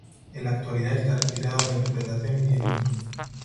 En la actualidad está retirado de la interpretación y tiene un hijo.